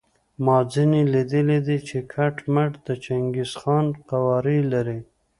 ما ځینې لیدلي دي چې کټ مټ د چنګیز خان قوارې لري.